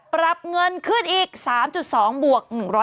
ปรับเงินขึ้นอีก๓๒บวก๑๐๐